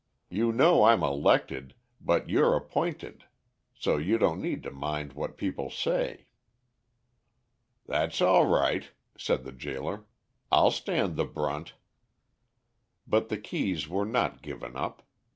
You know I'm elected, but you're appointed, so you don't need to mind what people say." "That's all right," said the gaoler, "I'll stand the brunt." But the keys were not given up.